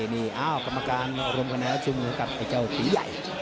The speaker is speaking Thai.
นี่อ้าวกรรมการรวมคะแนนแล้วชูมือกับไอ้เจ้าสีใหญ่